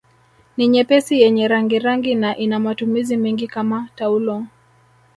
Ni nyepesi yenye rangirangi na ina matumizi mengi kama taulo